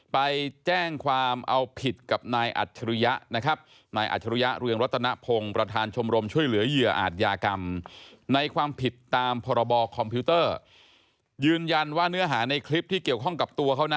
ไปแจ้งความเอาผิดกับนายอัตรุยะนะครับ